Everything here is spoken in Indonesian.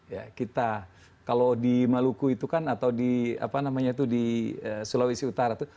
ya kita kalau di maluku itu kan atau di apa namanya itu di sulawesi utara itu